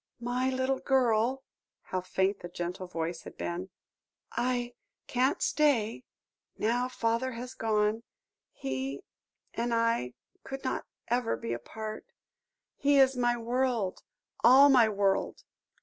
"My little girl" how faint the gentle voice had been! "I can't stay now father has gone; he and I could not ever be apart. He is my world all my world."